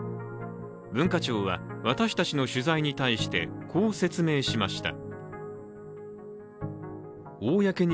文化庁は私達の取材に対してこう説明しました。